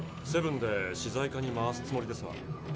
セブンで資材課に回すつもりですが。